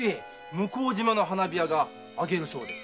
向島の花火屋が上げるそうです。